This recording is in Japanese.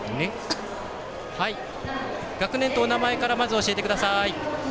学年とお名前教えてください。